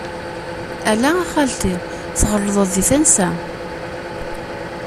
Ala a xalti, tɣelṭeḍ di tansa.